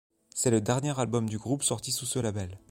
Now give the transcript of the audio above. C'est le dernier album du groupe sorti sous ce label.